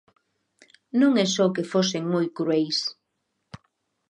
Non é só que fosen moi crueis.